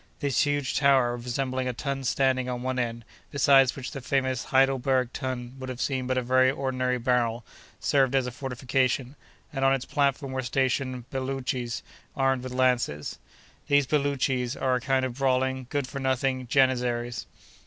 This huge tower, resembling a tun standing on one end, beside which the famous Heidelberg tun would have seemed but a very ordinary barrel, served as a fortification, and on its platform were stationed Belootchees, armed with lances. These Belootchees are a kind of brawling, good for nothing Janizaries.